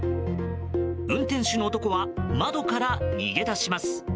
運転手の男は窓から逃げ出します。